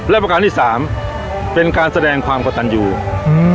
และประการที่สามเป็นการแสดงความกระตันอยู่อืม